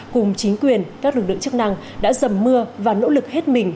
cùng chính quyền các lực lượng chức năng đã dầm mưa và nỗ lực hết mình